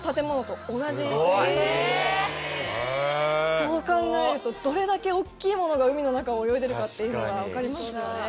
そう考えるとどれだけ大っきいものが海の中を泳いでるかっていうのは分かりますよね。